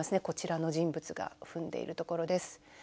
こちらの人物が踏んでいるところです。